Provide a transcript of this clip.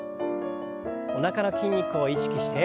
おなかの筋肉を意識して。